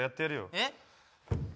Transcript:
えっ？